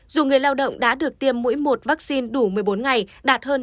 dù người lao động đã được tiêm mũi một vaccine đủ một mươi bốn ngày đạt hơn tám mươi